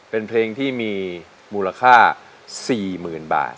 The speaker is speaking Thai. เป็นเพลงที่มีมูลค่า๔๐๐๐บาท